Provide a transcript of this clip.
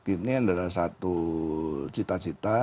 ini adalah satu cita cita